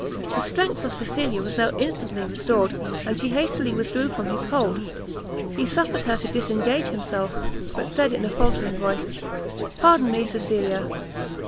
The strength of Cecilia was now instantly restored, and she hastily withdrew from his hold; he suffered her to disengage herself, but said in a faultering voice, "pardon me, Cecilia!